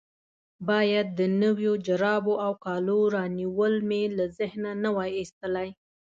باید د نویو جرابو او کالو رانیول مې له ذهنه نه وای ایستلي.